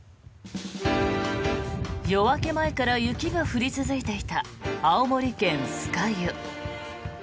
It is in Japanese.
夜明け前から雪が降り続いていた青森県酸ケ湯。